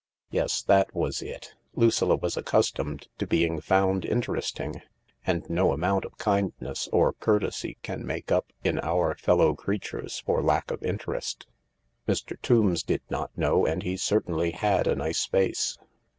Yes, that was it. Lucilla was accustomed to being found interest ing — and no amount of kindness or courtesy can make up in our fellow creatures for lack of interest. Mr. Tombs did not know— and he certainly had a nice face.